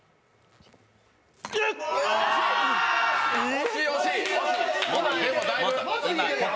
惜しい惜しい。